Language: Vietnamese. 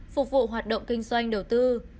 phục vụ hoạt động kinh doanh đầu tư